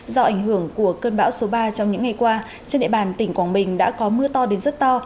do ảnh hưởng của cơn bão số ba trong những ngày qua trên địa bàn tỉnh quảng bình đã có mưa to đến rất to